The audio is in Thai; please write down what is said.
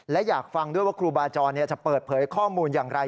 และอยากฟังด้วยว่าครูบาจรจะเปิดเผยข้อมูลอย่างไร